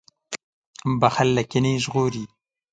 • بښل له کینې ژغوري.